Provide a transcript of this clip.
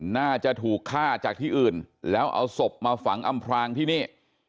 น่าจะถูกฆ่าจากที่อื่นแล้วเอาศพมาฝังอำพรางที่นี่